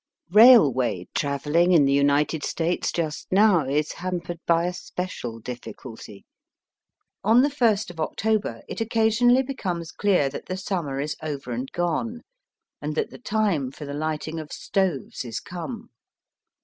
Eailway travelling in the United States just now is hampered by a special difl&culty. On the 1st of October it occasionally becomes clear that the summer is over and gone, and that the time for the lighting of stoves is come.